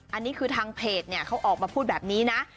อันนี้คือทางเพจเนี่ยเขาออกมาพูดแบบนี้นะ